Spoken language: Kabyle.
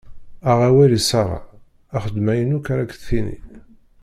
Aɣ awal i Ṣara, xdem ayen akk ara k-d-tini.